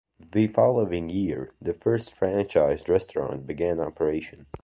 The following year, the first franchised restaurant began operations.